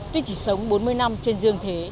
tuy chỉ sống bốn mươi năm trên dương thế